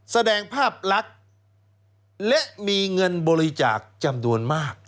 แสดงภาพลักษณ์และมีเงินบริจาคจำนวนมาก